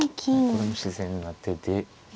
これも自然な手で。